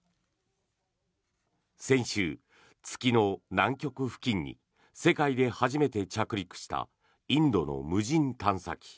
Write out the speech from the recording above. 先週、月の南極付近に世界で初めて着陸したインドの無人探査機